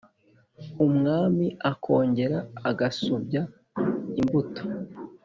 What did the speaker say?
umwam akongera agasubya imbúto